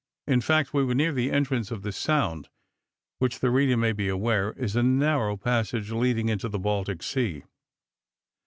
In fact, we were near the entrance of the Sound, which, the reader may be aware, is a narrow passage leading into the Baltic Sea.